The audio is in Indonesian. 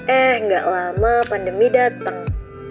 eh gak lama pandemi datang